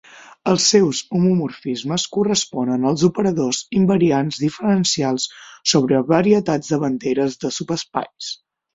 Els seus homomorfismes corresponen als operadors invariants diferencials sobre varietats de banderes de subespais.